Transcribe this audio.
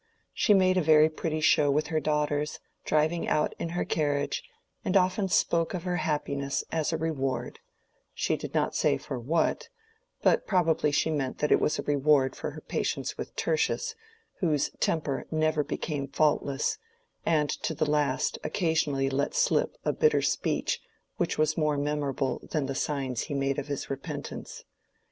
She made a very pretty show with her daughters, driving out in her carriage, and often spoke of her happiness as "a reward"—she did not say for what, but probably she meant that it was a reward for her patience with Tertius, whose temper never became faultless, and to the last occasionally let slip a bitter speech which was more memorable than the signs he made of his repentance.